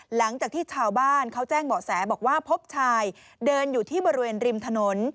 หลังจากที่ชาวบ้านเขาแจ้งเบาะแสบอกว่าพบชายเดินอยู่ที่บริเวณริมถนน